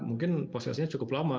mungkin prosesnya cukup lama